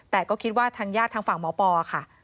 แต่ก็คิดว่าทางญาติทางฝั่งหมอปอค่ะ